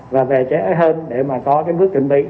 và về trẻ hơn để có bước chuẩn bị